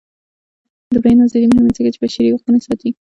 د بیان ازادي مهمه ده ځکه چې بشري حقونه ساتي.